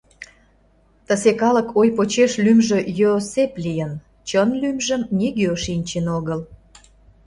Тысе калык ой почеш лӱмжӧ Йоосеп лийын, чын лӱмжым нигӧ шинчен огыл.